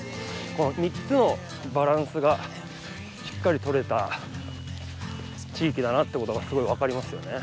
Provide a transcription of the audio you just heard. この３つのバランスがしっかりとれた地域だなってことがすごい分かりますよね。